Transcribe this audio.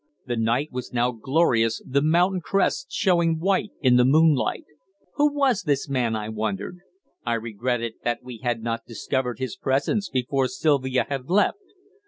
The night was now glorious, the mountain crests showing white in the moonlight. Who was this man, I wondered? I regretted that we had not discovered his presence before Sylvia had left.